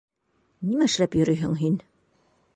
Нимә эшләп йөрөйһөң һин?